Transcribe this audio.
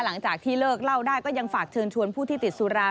หลังจากที่เลิกเล่าได้ก็ยังฝากเชิญชวนผู้ที่ติดสุรา